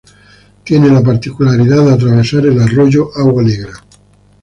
Tiene la particularidad de atravesar el Arroyo Agua Negra.